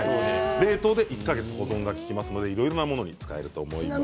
冷凍で１か月保存が利きますのでいろいろなものに使えますね。